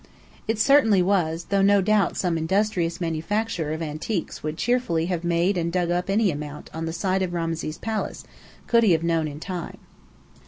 It certainly was: though no doubt some industrious manufacturer of antiques would cheerfully have made and dug up any amount on the site of Rameses' palace, could he have known in time.